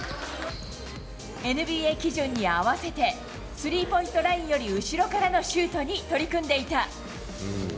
ＮＢＡ基準に合わせて、スリーポイントラインより後ろからのシュートに取り組んでいた。